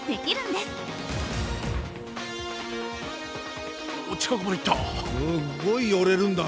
すっごい寄れるんだな